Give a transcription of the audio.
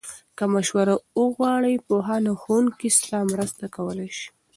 که مشوره وغواړې، پوهان او ښوونکي ستا مرسته کولای شي.